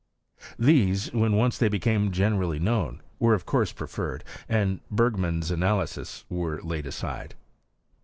These, when once they became generally known, were of course preferred, and Bergman's analyses were laid aside.